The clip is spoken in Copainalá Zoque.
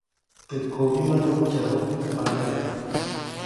Teʼ kubimä nukyajuʼuŋ teʼ panedaʼm.